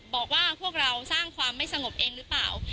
บอกว่าพวกเราสร้างความไม่สงบเองหรือเปล่า